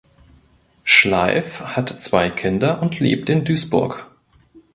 Schleif hat zwei Kinder und lebt in Duisburg.